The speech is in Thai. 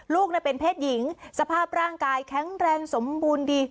ลูกเป็นเพศหญิงสภาพร่างกายแข็งแรงสมบูรณ์ดี